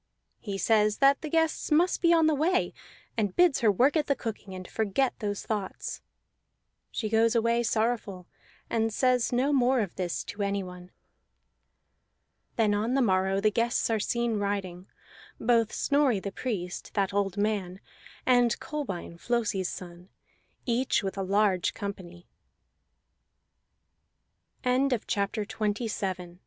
He says that the guests must be on the way, and bids her work at the cooking, and forget those thoughts. She goes away sorrowful, and says no more of this to anyone. Then on the morrow the guests are seen riding, both Snorri the Priest, that old man, and Kolbein Flosi's son, each with a large company. CHA